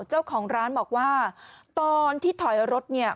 เจ้าของร้านบอกว่าตอนที่ถอยรถเนี่ย